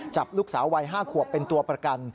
จับลูกสาววัย๕ขวบเป็นตัวประกัน